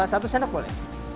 satu senang boleh